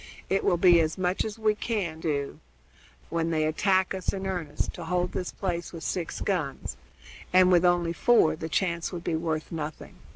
It will be as much as we can do, when they attack us in earnest, to hold this place with six guns, and with only four the chance would be worth nothing.